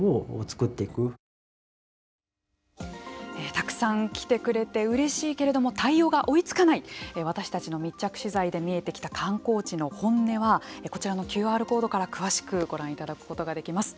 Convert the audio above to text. たくさん来てくれてうれしいけれども対応が追いつかない私たちの密着取材で見えてきた観光地の本音はこちらのＱＲコードから詳しくご覧いただくことができます。